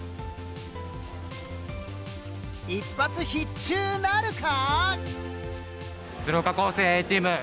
一発必中なるか？